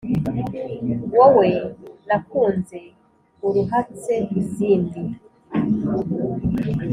Wowe nakunze uruhatse izindi